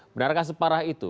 benarkah separah itu